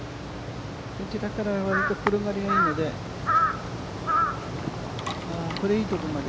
こちらからは割と転がりがいいので。